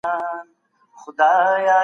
استازو به د مظلومانو کلکه ساتنه کوله.